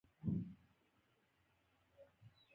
جنرال ستولیتوف خپل استازی کابل ته روان کړ.